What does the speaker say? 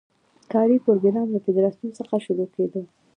کاري پروګرام له فدراسیون څخه شروع کېدو.